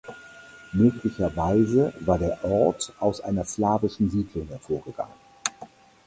Möglicherweise war der Ort aus einer slawischen Siedlung hervorgegangen.